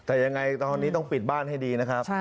แต่ยังไงตอนนี้ต้องปิดบ้านให้ดีนะครับ